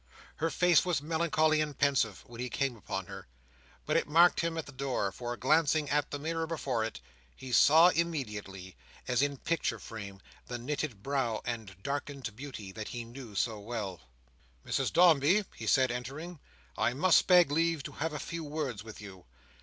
Her face was melancholy and pensive, when he came upon her; but it marked him at the door; for, glancing at the mirror before it, he saw immediately, as in a picture frame, the knitted brow, and darkened beauty that he knew so well. "Mrs Dombey," he said, entering, "I must beg leave to have a few words with you."